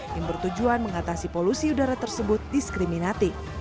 yang bertujuan mengatasi polusi udara tersebut diskriminatif